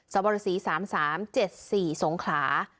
สบรสี๓๓๗๔สงขลา